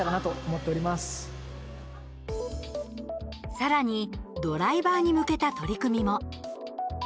さらに、ドライバーに向けた取り組みも。